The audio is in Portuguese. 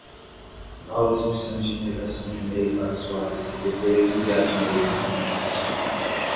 Novas opções de integração de email para usuários que desejam enviar emails com anexos.